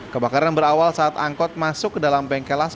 kebakaran berawal saat angkot masuk ke dalam bengkelas